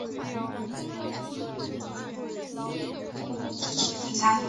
福萨切西亚是意大利阿布鲁佐大区基耶蒂省的一个镇。